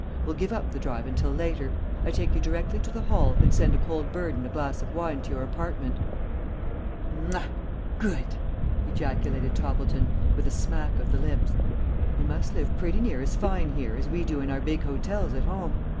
We'll give up the drive until later. I take you directly to the Hall, and send a cold bird and a glass of wine to your apartment." "Good!" ejaculated Toppleton, with a smack of the lips. "You must live pretty near as fine here as we do in our big hotels at home.